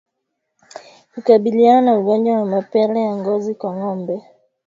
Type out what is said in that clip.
Kukabiliana na ugonjwa wa mapele ya ngozi kwa ngombe